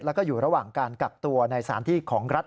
แล้วก็อยู่ระหว่างการกักตัวในสารที่ของรัฐ